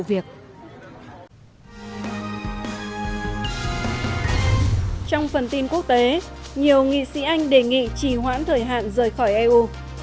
trong phần tin quốc tế nhiều nghị sĩ anh đề nghị chỉ hoãn thời hạn rời khỏi eu